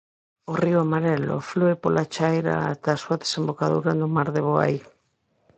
O río Amarelo flúe pola chaira ata a súa desembocadura no mar de Bohai.